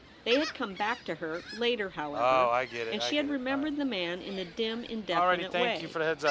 They had come back to her later, however, and she had re membered the man In a dim, indefinite way.